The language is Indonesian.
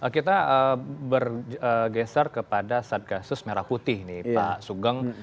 kita bergeser kepada satgasus merah putih nih pak sugeng